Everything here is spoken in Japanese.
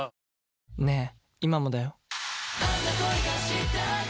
「ねぇ、今もだよ」。